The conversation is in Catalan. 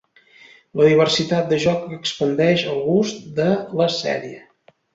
La diversitat de joc expandeix el gust de la sèrie.